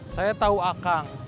saya tau akang